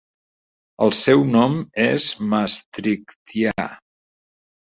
El seu nom és "maastrichtià".